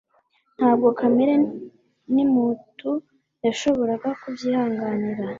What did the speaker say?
ntabwo kamere nmutu yashoboraga kubyihanganira,